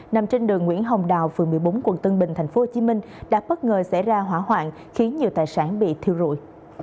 nằm trên đường nguyễn hồng đào phường một mươi bốn quận tân bình tp hcm đã bất ngờ xảy ra hỏa hoạn khiến nhiều tài sản bị thiêu rụi